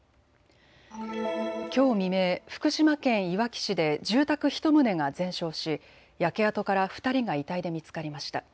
きょう未明、福島県いわき市で住宅１棟が全焼し、焼け跡から２人が遺体で見つかりました。